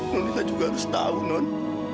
wanita juga harus tahu non